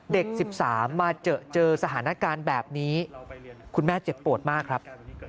เด็ก๑๓มาเจอสถานการณ์แบบนี้คุณแม่เจ็บปวดมากครับ